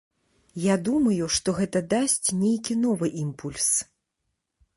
Я думаю, што гэта дасць нейкі новы імпульс.